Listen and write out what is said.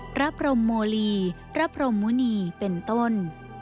พระพรมโมลีพระพรมมุณีเป็นต้น